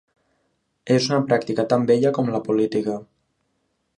És una pràctica tan vella com la política.